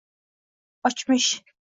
Ochmish